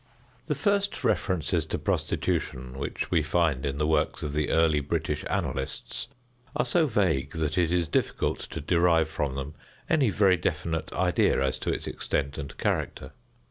The first references to prostitution which we find in the works of the early British annalists are so vague that it is difficult to derive from them any very definite idea as to its extent and character.